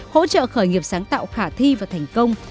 hỗ trợ khởi nghiệp sáng tạo khả thi và thành công